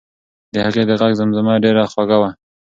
د هغې د غږ زمزمه ډېره خوږه وه.